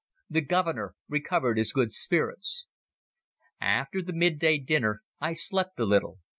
The Governor recovered his good spirits. After the mid day dinner I slept a little.